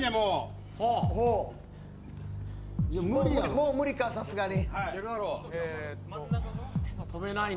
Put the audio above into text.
もう無理か、さすがに。